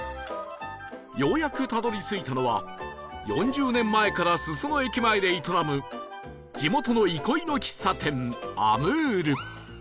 ようやくたどり着いたのは４０年前から裾野駅前で営む地元の憩いの喫茶店 ＡＭＯＵＲ